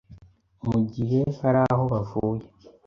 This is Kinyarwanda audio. mu gihe hari aho bavuye